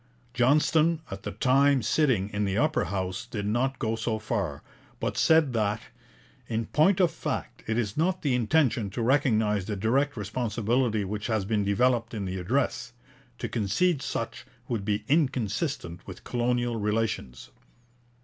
Johnston, at the time sitting in the Upper House, did not go so far, but said that 'in point of fact it is not the intention to recognize the direct responsibility which has been developed in the address. To concede such would be inconsistent with colonial relations.'